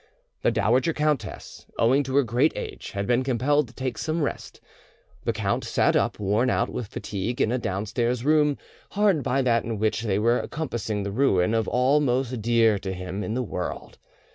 The dowager countess, owing to her great age, had been compelled to take some rest. The count sat up, worn out with fatigue, in a downstairs room hard by that in which they were compassing the ruin of all most dear to him in the world.